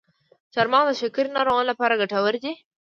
چارمغز د شکرې ناروغانو لپاره ګټور دی.